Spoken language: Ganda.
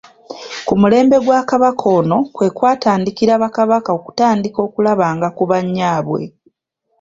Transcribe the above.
Ku mulembe gwa Kabaka ono kwe kwatandikira Bakabaka okutandika okulabanga ku bannyaabwe.